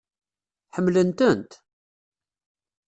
Ḥemmlen-tent?